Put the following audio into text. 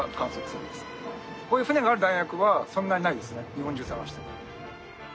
日本中探しても。